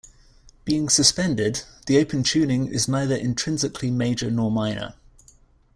Being suspended, the open tuning is neither intrinsically major nor minor.